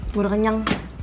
gue udah kenyang